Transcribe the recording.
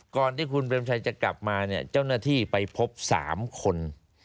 ก่อนที่คุณเปรมชัยจะกลับมาเนี่ยเจ้าหน้าที่ไปพบ๓คน